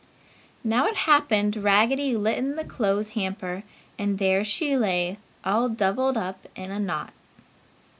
Now it happened Raggedy lit in the clothes hamper and there she lay all doubled up in a knot.